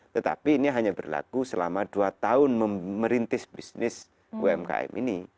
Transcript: tetapi ini hanya berlaku selama dua tahun merintis bisnis umkm ini